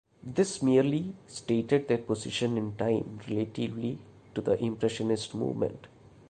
This merely stated their position in time relatively to the Impressionist movement.